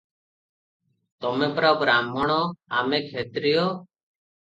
ତମେପରା ବ୍ରାହ୍ମଣ ଆମେ କ୍ଷତ୍ରିୟ ।